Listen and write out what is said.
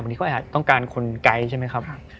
วันนี้เขาอาจต้องการคนไกลใช่ไหมครับ